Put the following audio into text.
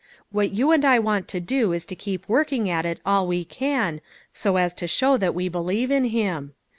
What you and I want to do is to keep working at it all we can, so as to show that we believe in him."